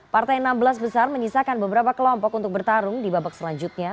partai enam belas besar menyisakan beberapa kelompok untuk bertarung di babak selanjutnya